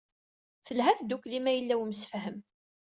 Telha tdukli ma yella umsefham.